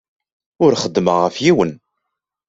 Ur xeddmeɣ ɣef yiwen.